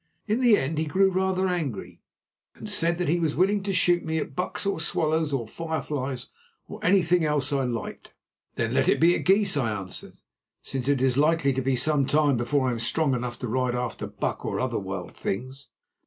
In the end he grew rather angry, and said that he was willing to shoot me at bucks or swallows, or fireflies, or anything else I liked. "Then let it be at geese," I answered, "since it is likely to be sometime before I am strong enough to ride after buck or other wild things."